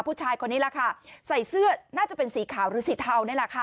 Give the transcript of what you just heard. ผู้ชายคนนี้แหละค่ะใส่เสื้อน่าจะเป็นสีขาวหรือสีเทานี่แหละค่ะ